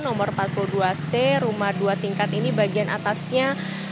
nomor empat puluh dua c rumah dua tingkat ini bagian atasnya